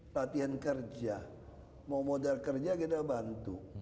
latihan kerja mau modal kerja kita bantu